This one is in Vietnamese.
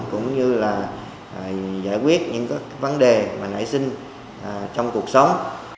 cũng như là giải quyết những vấn đề mà nảy sinh trong cuộc sống